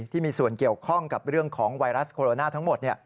ที่มีส่วนเกี่ยวข้องกับเรื่องของไวรัสโคโรนาทั้งหมด